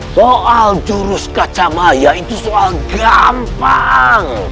soal jurus kacamaya itu soal gampang